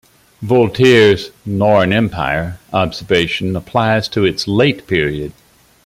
Voltaire's "... nor an empire" observation applies to its late period.